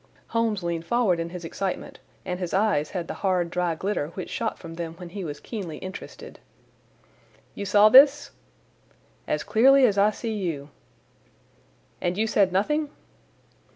Holmes leaned forward in his excitement and his eyes had the hard, dry glitter which shot from them when he was keenly interested. "You saw this?" "As clearly as I see you." "And you said nothing?"